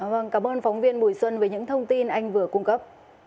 vâng cảm ơn phóng viên bùi xuân về những thông tin anh vừa cung cấp